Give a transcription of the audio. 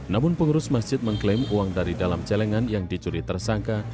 namun pengurus masjid mengklaim uang dari dalam celengan yang dicuri tersangka